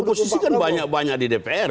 oposisi kan banyak banyak di dpr